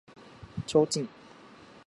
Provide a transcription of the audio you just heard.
提灯